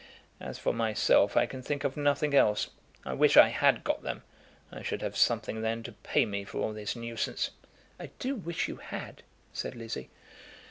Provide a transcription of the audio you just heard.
As for myself, I can think of nothing else. I wish I had got them. I should have something then to pay me for all this nuisance." "I do wish you had," said Lizzie.